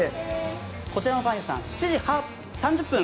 こちらのパン屋さん、７時３０分